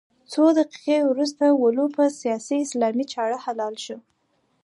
څو دقيقې وروسته ولو په سیاسي اسلام چاړه حلال شو.